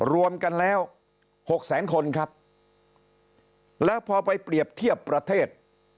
รวมกันแล้วหกแสนคนครับแล้วพอไปเปรียบเทียบประเทศ